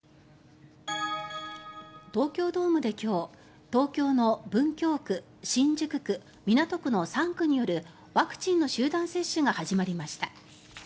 東京ドームで今日東京の文京区、新宿区、港区の３区によるワクチンの集団接種が始まりました。